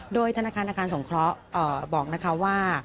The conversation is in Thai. โดยธนาคารอาคารสงเคราะห์บอกนะคะว่า